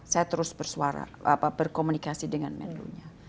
saya terus bersuara berkomunikasi dengan melunya